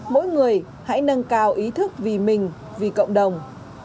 mỗi người hãy nâng cao ý thức vì mình vì cộng đồng